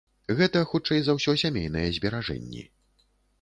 Гэта хутчэй за ўсё сямейныя зберажэнні.